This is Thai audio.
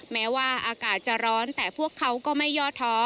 แม้ว่าอากาศจะร้อนแต่พวกเขาก็ไม่ย่อท้อ